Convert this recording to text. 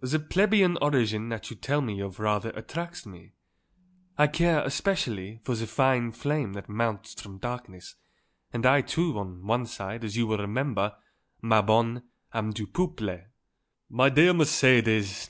The plebeian origin that you tell me of rather attracts me. I care, especially, for the fine flame that mounts from darkness; and I, too, on one side, as you will remember, ma bonne, am du peuple." "My dear Mercedes!